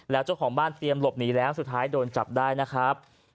แล้วเจ้าของบ้านเตรียมหลบหนีแล้วสุดท้ายโดนจับได้นะครับ